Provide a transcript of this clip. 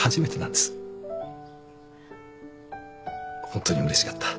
ホントにうれしかった。